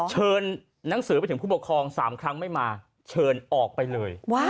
เชิญหนังสือไปถึงผู้ปกครอง๓ครั้งไม่มาเชิญออกไปเลย